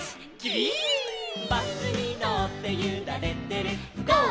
「バスにのってゆられてるゴー！